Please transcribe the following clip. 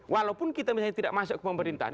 walaupun kita misalnya tidak masuk ke pemerintahan